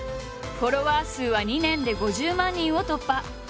フォロワー数は２年で５０万人を突破！